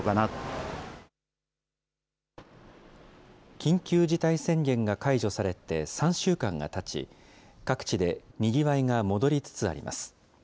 緊急事態宣言が解除されて３週間がたち、各地でにぎわいが戻りつつあります。